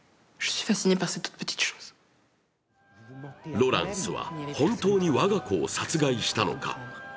ロランスは本当に我が子を殺害したのか。